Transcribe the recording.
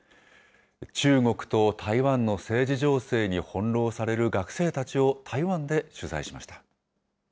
中国と台湾の政治情勢に翻弄される学生たちを台湾で取材しました。